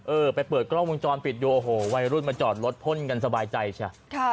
เออไปเปิดกล้องวงจรปิดดูโอ้โหวัยรุ่นมาจอดรถพ่นกันสบายใจใช่ค่ะ